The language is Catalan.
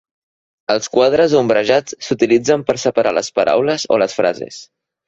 Els quadres ombrejats s'utilitzen per separar les paraules o les frases.